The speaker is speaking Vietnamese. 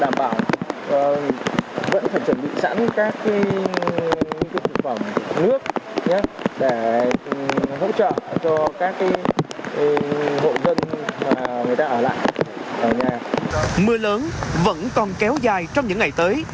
mưa lớn vẫn còn kéo dài trong những ngày tới